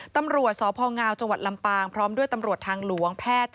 ตำรวจสพงจังหวัดลำปางพร้อมด้วยตำรวจทางหลวงแพทย์